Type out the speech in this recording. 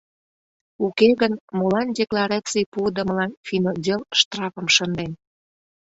— Уке гын, молан деклараций пуыдымылан финотдел штрафым шынден?